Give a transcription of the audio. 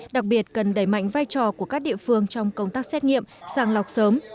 đặc biệt cần đẩy mạnh vai trò của các địa phương trong công tác xét nghiệm sàng lọc sớm